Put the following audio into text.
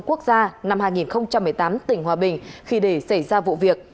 quốc gia năm hai nghìn một mươi tám tỉnh hòa bình khi để xảy ra vụ việc